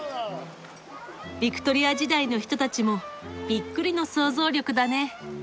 ビクトリア時代の人たちもびっくりの想像力だね。